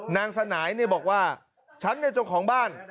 นางสนายเนี่ยบอกว่าฉันเนี่ยจงของบ้าน